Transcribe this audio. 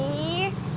mas pur mau